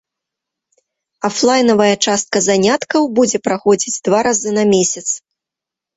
Афлайнавая частка заняткаў будзе праходзіць два разы на месяц.